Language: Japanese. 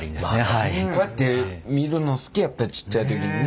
こうやって見るの好きやったちっちゃい時にな。